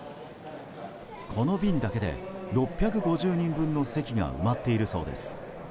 この便だけで６５０人分の席が埋まっているそうです。